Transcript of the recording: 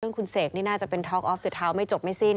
เรื่องคุณเสกนี่แน่นจะเป็นท้อคอฟต์สะเทาไม่จบไม่สิ้น